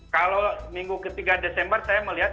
kalau minggu ketiga desember saya melihat